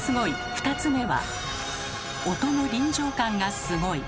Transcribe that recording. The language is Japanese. ２つ目は。